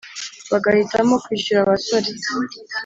bagahitamo kwishyura abasore.